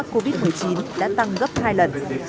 covid một mươi chín đã tăng gấp hai lần